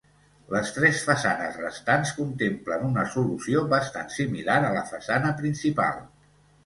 Les tres façanes restants contemplen una solució bastant similar a la façana principal.